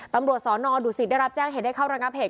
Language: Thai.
ตำรวจสอนอดุสิตได้รับแจ้งเหตุได้เข้าระงับเหตุ